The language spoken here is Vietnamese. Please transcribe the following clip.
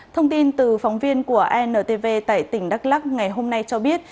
thông tin từ phóng viên của antv tại tỉnh đắk lắc ngày hôm nay cho biết